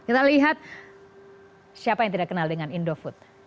kita lihat siapa yang tidak kenal dengan indofood